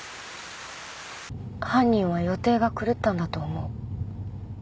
犯人は予定が狂ったんだと思う。